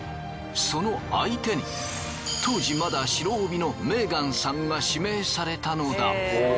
その相手に当時まだ白帯のメーガンさんが指名されたのだ。